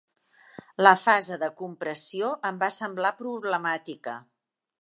La fase de compressió em va semblar problemàtica.